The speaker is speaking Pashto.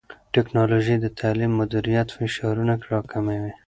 ټیکنالوژي د تعلیمي مدیریت فشارونه راکموي.